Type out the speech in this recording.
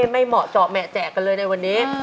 ไม่เหมาะเจาะแหม้แจกเลยในวันนี้